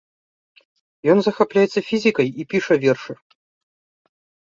Ён захапляецца фізікай і піша вершы.